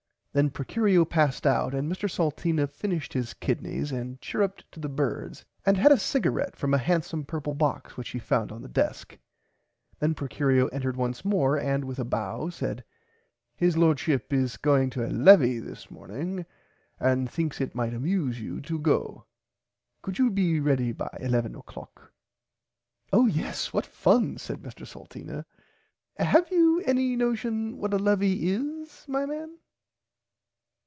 Then Procurio passed out and Mr Salteena finnished his kidneys and chiruped to the birds and had a cigarette from a handsome purple box which he found on the desk. Then Procurio entered once more and with a bow said. His lordship is going to a levie this morning and thinks it might amuse you to go too. Could you be ready by 11 oclock. Oh yes what fun said Mr Salteena have you any notion what a levie is my man.